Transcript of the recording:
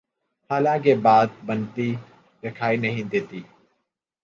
حالانکہ بات بنتی دکھائی نہیں دیتی۔